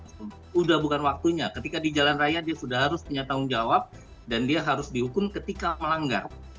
sudah bukan waktunya ketika di jalan raya dia sudah harus punya tanggung jawab dan dia harus dihukum ketika melanggar